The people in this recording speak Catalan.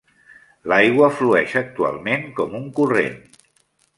L'aigua flueix actualment com un corrent.